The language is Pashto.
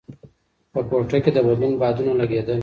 په کوټه کې د بدلون بادونه لګېدل.